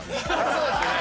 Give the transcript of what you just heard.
そうですね。